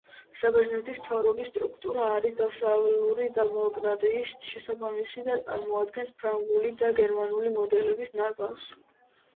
საბერძნეთის მთავრობის სტრუქტურა არის დასავლური დემოკრატიის შესაბამისი და წარმოადგენს ფრანგული და გერმანული მოდელების ნაზავს.